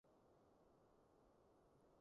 大王饒命呀